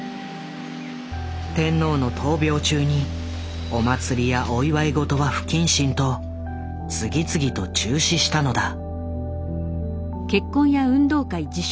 天皇の闘病中にお祭りやお祝い事は「不謹慎」と次々と中止したのだ。